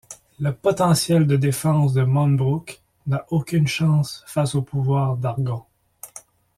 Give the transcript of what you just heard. Le potentiel de défense de Moonbrooke n'a aucune chance face au pouvoir d'Hargon.